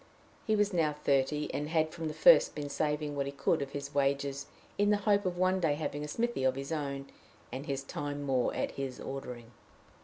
He was now thirty, and had from the first been saving what he could of his wages in the hope of one day having a smithy of his own, and his time more at his ordering.